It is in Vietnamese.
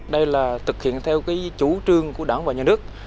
đây là thực hiện theo chủ trương của đảng và nhà nước